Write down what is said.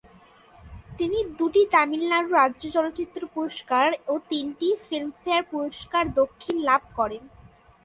তিনি দুটি তামিলনাড়ু রাজ্য চলচ্চিত্র পুরস্কার ও তিনটি ফিল্মফেয়ার পুরস্কার দক্ষিণ লাভ করেন।